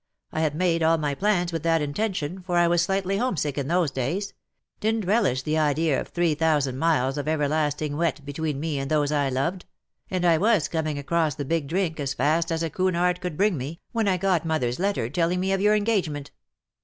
I had made all my plans with that intention, for I was slightly home sick in those days — didn't relish the idea of three thousand miles of everlasting wet between me and those I loved — and I was comine across the Big Drink as fast as a Cunard could bring me, when I got mother's letter telling me of your ergagement.